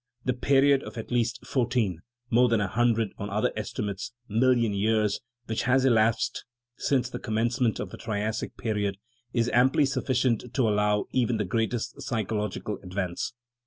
The pe riod of at least fourteen (more than a hundred, on other estimates) million years, which has elapsed since the commencement of the Triassic period, is amply suffi cient to allow even the greatest psychological advance.